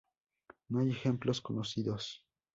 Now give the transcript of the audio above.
No hay ejemplos conocidos.